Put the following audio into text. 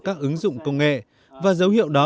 các ứng dụng công nghệ và dấu hiệu đó